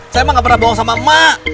saya mah nggak pernah bohong sama mak